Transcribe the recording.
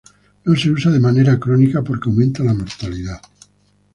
No se usa de manera crónica porque aumenta la mortalidad.